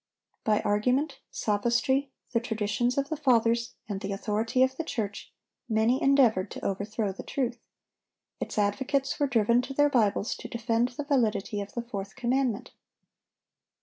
By argument, sophistry, the traditions of the Fathers, and the authority of the church, many endeavored to overthrow the truth. Its advocates were driven to their Bibles to defend the validity of the fourth commandment.